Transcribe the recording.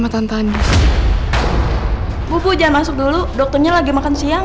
bu jangan masuk dulu dokternya lagi makan siang